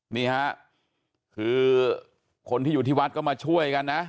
นี่ฮะคือคนที่อยู่ที่วัดก็มาช่วยกันนะ